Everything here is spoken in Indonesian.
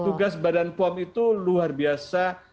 tugas badan pom itu luar biasa